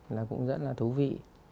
là cũng rất là thú vị